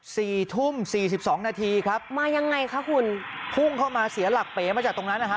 สี่ทุ่มสี่สิบสองนาทีครับมายังไงคะคุณพุ่งเข้ามาเสียหลักเป๋มาจากตรงนั้นนะฮะ